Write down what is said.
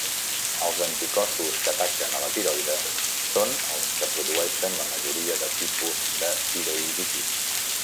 Els anticossos que ataquen la tiroide són els que produeixen la majoria de tipus de tiroïditis.